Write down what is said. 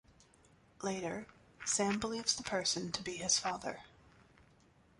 Later, Sam believes the person to be his father.